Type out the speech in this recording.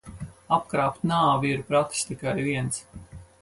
Apkrāpt nāvi ir pratis tikai viens.